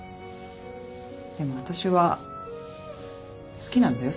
でも私は好きなんだよ